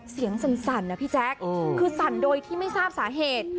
สั่นนะพี่แจ๊คคือสั่นโดยที่ไม่ทราบสาเหตุ